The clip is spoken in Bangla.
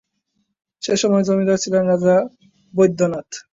সেসময় জমিদার ছিলেন রাজা বৈদ্যনাথ।